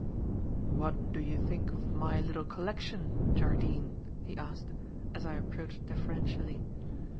"What do you think of my little collection, Jardine?" he asked, as I approached deferentially.